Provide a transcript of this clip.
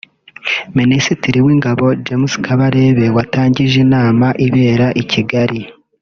Ministiri w’Ingabo Gen James Kabarebe watangije inama ibera i Kigali